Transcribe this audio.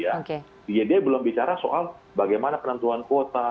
jadi dia belum bicara soal bagaimana penentuan kuota